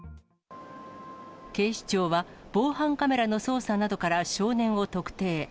警視庁は防犯カメラの捜査などから少年を特定。